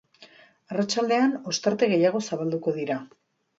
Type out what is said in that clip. Arratsaldean, ostarte gehiago zabalduko dira.